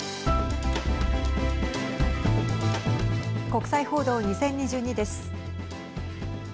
国際報道２０２２です。